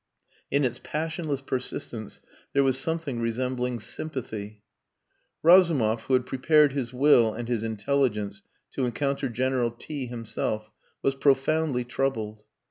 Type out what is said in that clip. In its passionless persistence there was something resembling sympathy. Razumov, who had prepared his will and his intelligence to encounter General T himself, was profoundly troubled.